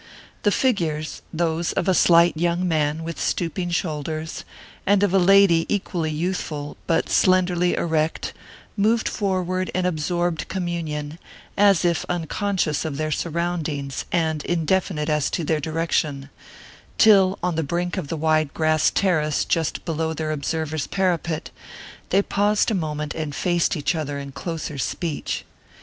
The figures those of a slight young man with stooping shoulders, and of a lady equally youthful but slenderly erect moved forward in absorbed communion, as if unconscious of their surroundings and indefinite as to their direction, till, on the brink of the wide grass terrace just below their observer's parapet, they paused a moment and faced each other in closer speech.